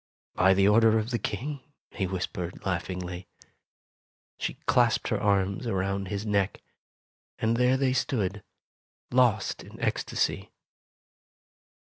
"By the order of the King," he whispered, laugh ingly. She clasped her arms around his neck, and there they stood, lost in ecstasy.